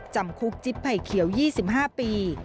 จำคุกจิ๊บไผ่เขียว๒๕ปี